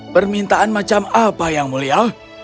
permintaan macam apa yang mulia